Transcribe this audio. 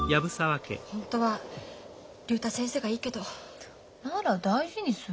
ホントは竜太先生がいいけど。なら大事にすれば？